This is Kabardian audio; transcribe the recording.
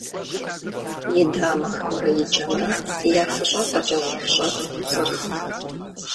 И дамэхэмрэ и кӀэмрэ, яфыщӀа фӀэкӀа умыщӀэну, цӀырхът.